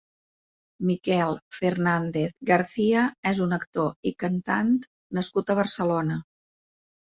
Miquel Fernández García és un actor i cantant nascut a Barcelona.